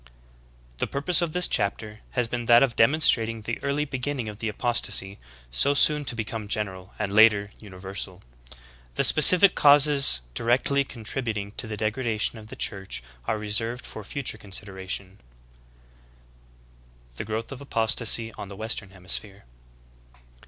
"^ 2L The purpose of this chapter has been that of demon strating the early beginning of the apostasy, so soon to be come general, and later, universal. The specific causes di rectly contributing to the degradation of the Church are re served for future consideration. Milner, "Church History," Cent. I, ch. 15. 4s THE GREAT APOSTASY. THE GROWTH OF APOSTASY ON THE WESTERN HEMISPHERE.